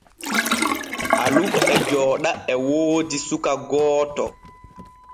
Alu e jooɗa e woodi suka gooto.